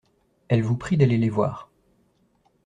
Elles vous prient d’aller les voir.